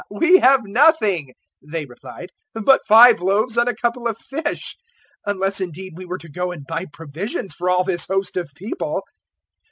"We have nothing," they replied, "but five loaves and a couple of fish, unless indeed we were to go and buy provisions for all this host of people."